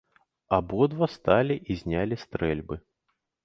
Абодва сталі і знялі стрэльбы.